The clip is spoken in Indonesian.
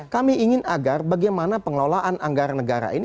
kami ingin agar bagaimana pengelolaan anggaran negara ini